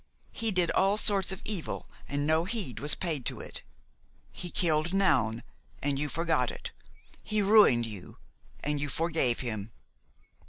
He did all sorts of evil and no heed was paid to it. He killed Noun and you forgot it; he ruined you and you forgave him.